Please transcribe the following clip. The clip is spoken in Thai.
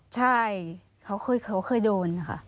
ใช่เขาเคยโดนค่ะ